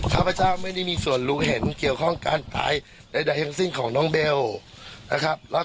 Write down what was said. ข้าพเจ้าสาบานว่า